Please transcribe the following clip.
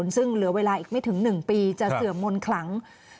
ซึ่งเหลือเวลาอีกไม่ถึง๑ปีจะเสื่อมมนต์ขลัง